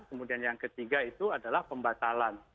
kemudian yang ketiga itu adalah pembatalan